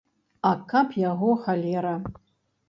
А каб яго халера.